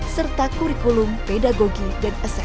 serta kurikulum pedagogi dan aset